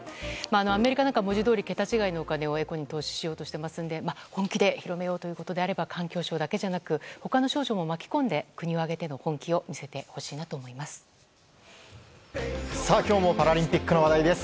アメリカなんか文字どおり桁違いのお金をエコに投資しようとしていますので本気で広めようとすれば環境省だけじゃなく他の省庁も巻き込んで国を挙げての本気を見せてほしいなと思います。